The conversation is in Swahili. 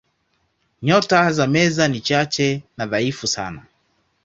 Nyota za Meza ni chache na dhaifu sana.